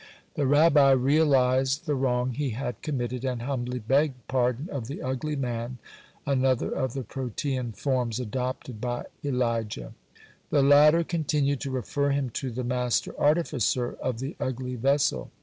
'" The Rabbi realized the wrong he had committed, and humbly begged pardon of the ugly man another of the protean forms adopted by Elijah. The latter continued to refer him to the Master Artificer of the ugly vessel.